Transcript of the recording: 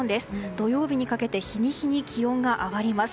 土曜日にかけて日に日に気温が上がります。